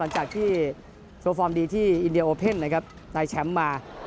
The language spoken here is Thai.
หลังจากที่ตัวฟอร์มดีที่อินเดียโอเป็นในแชมป์มา